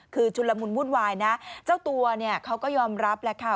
คือชุนละมุนวุ่นวายนะเจ้าตัวเนี่ยเขาก็ยอมรับแหละค่ะ